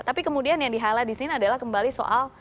tapi kemudian yang di highlight disini adalah kembali soal